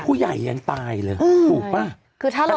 ผู้ใหญ่ยังตายเลยถูกป่ะ